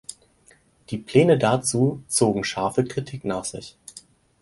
Die Pläne dazu zogen scharfe Kritik nach sich.